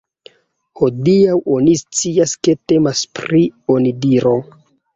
Hodiaŭ oni scias ke temas pri onidiro.